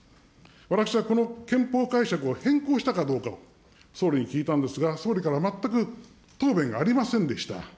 私はこの憲法解釈を変更したかどうかを総理に聞いたんですが、総理から全く答弁がありませんでした。